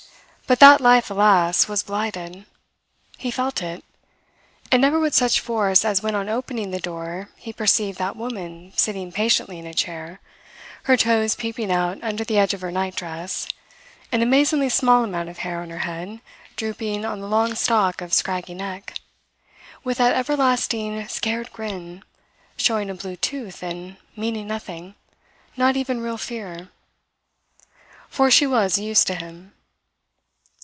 But that life, alas, was blighted. He felt it; and never with such force as when on opening the door he perceived that woman sitting patiently in a chair, her toes peeping out under the edge of her night dress, an amazingly small amount of hair on her head drooping on the long stalk of scraggy neck, with that everlasting scared grin showing a blue tooth and meaning nothing not even real fear. For she was used to him.